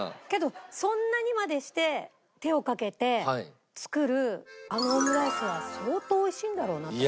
けどそんなにまでして手を掛けて作るあのオムライスは相当おいしいんだろうな。